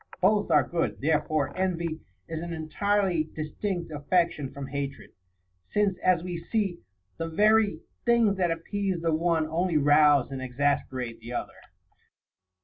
Both are good. Therefore envy is an entirely distinct affection from hatred, since, as we see, the very things that appease the one only rouse and exas perate the other.